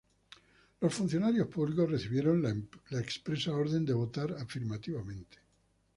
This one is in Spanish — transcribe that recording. Los funcionarios públicos recibieron la expresa orden de votar afirmativamente.